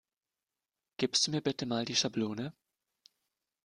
Gibst du mir bitte Mal die Schablone?